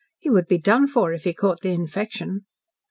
He would be done for if he caught the infection."